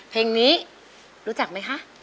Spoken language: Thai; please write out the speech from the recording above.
เพลงนี้รู้จักไหมคะ